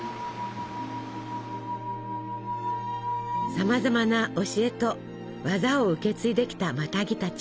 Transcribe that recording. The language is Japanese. さまざまな教えと技を受け継いできたマタギたち。